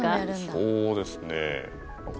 そうですね何か。